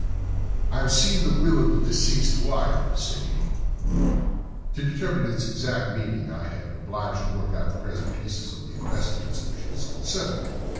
"I have seen the will of the deceased wife," said he. "To determine its exact meaning I have been obliged to work out the present prices of the investments with which it is concerned.